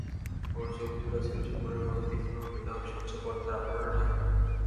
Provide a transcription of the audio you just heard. ওর চোখজোড়া ছিল শকুনের মতো তীক্ষ্ণ, নীলাভ, স্বচ্ছ পর্দার আবরণে ঢাকা।